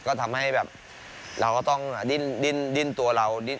ก็ทำให้แบบเราก็ต้องดิ้นตัวเราดิ้น